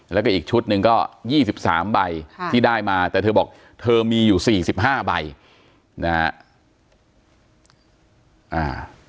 แล้วก็อีกชุดหนึ่งก็๒๓ใบที่ได้มาแต่เธอบอกเธอมีอยู่๔๕ใบนะฮะ